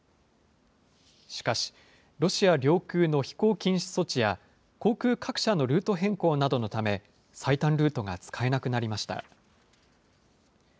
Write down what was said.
しかし、ロシア領空の飛行禁止措置や、航空各社のルート変更などのため、最短ルートが使えなくなりました。